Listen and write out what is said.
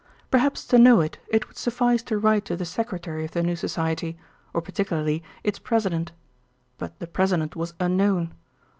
Perhaps to know it, it would suffice to write to the Secretary of the new Society, or particularly its President. But the President was unknown.